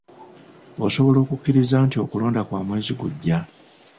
Osobola okukkiriza nti okulonda kwa mwezi gujja?